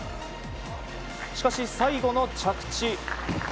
しかし、最後の着地。